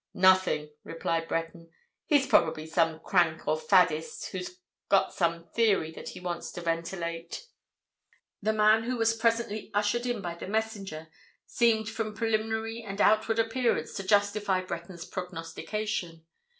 "Nothing," replied Breton. "He's probably some crank or faddist who's got some theory that he wants to ventilate." The man who was presently ushered in by the messenger seemed from preliminary and outward appearance to justify Breton's prognostication.